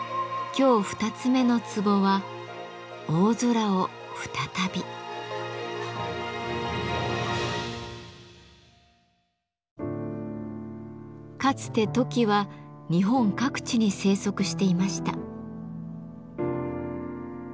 今日二つ目のツボはかつてトキは日本各地に生息していました。